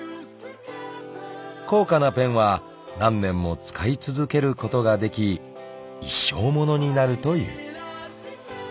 ［高価なペンは何年も使い続けることができ一生ものになるという］